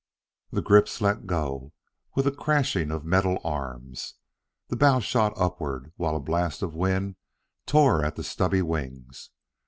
The grips let go with a crashing of metal arms. The bow shot upward while a blast of wind tore at the stubby wings.